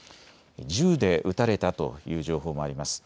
銃で撃たれたという情報もあります。